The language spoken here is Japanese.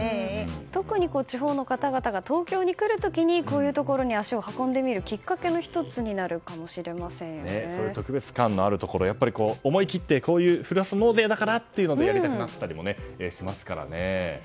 特に地方の方々が東京に来る時にこういうところに足を運んでみるきっかけの１つにそういう特別感のあるところ思い切ってふるさと納税だからとやりたくなったりもしますからね。